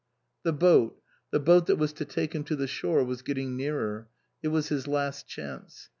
The boat the boat that was to take him to the shore was getting nearer. It was his last chance.